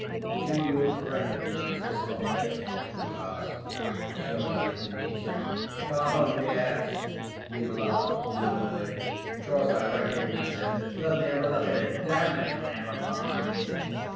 "Do you recognize this object?" he asked, showing it to Mitya. "Oh, yes," he laughed gloomily. "Of course I recognize it. Let me have a look at it.... Damn it, never mind!"